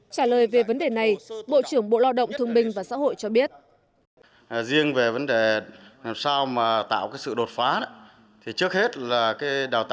trả lời về vấn đề này bộ trưởng bộ lao động thương binh và xã hội cho biết